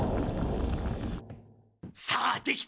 さあできたぜ。